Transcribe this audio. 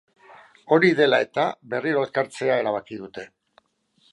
Hori dela eta, berriro elkartazea erabaki dute.